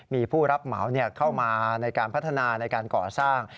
มีผู้รับเหมาเข้ามาในการพัฒนาในการก่อสร้าง